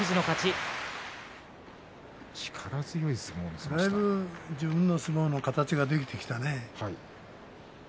だいぶ自分の相撲の形ができてきたね。